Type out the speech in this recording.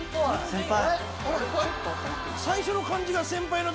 先輩。